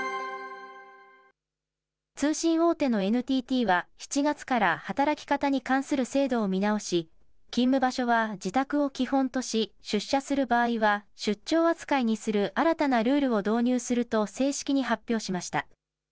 通信大手のＮＴＴは、７月から働き方に関する制度を見直し、勤務場所は自宅を基本とし、出社する場合は出張扱いにする新たなルールを導入すると、正式に発表しました。